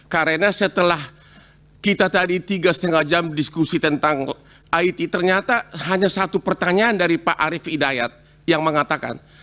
karena setelah kita tadi tiga setengah jam diskusi tentang it ternyata hanya satu pertanyaan dari pak arief hidayat yang mengatakan